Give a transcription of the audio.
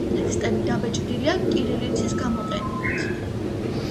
ტექსტები დაბეჭდილია კირილიცის გამოყენებით.